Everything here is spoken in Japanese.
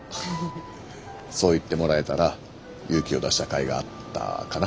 そう言ってもらえたら勇気を出したかいがあったかな。